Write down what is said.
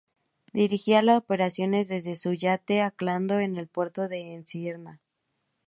Dirigía las operaciones desde su yate, anclado en el puerto de Esmirna.